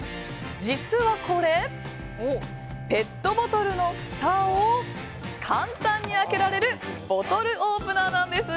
実はこれ、ペットボトルのふたを簡単に開けられるボトルオープナーなんです。